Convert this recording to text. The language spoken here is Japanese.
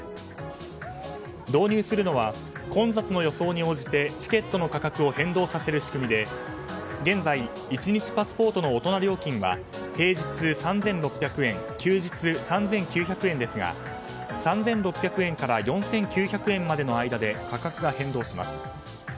導入するのは混雑の予想に応じてチケットの価格を変動させる仕組みで現在、１日パスポートの大人料金は平日３６００円休日３９００円ですが３６００円から４９００円までの間で価格が変動します。